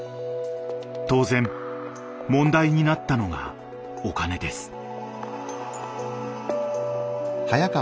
当然問題になったのがお金です。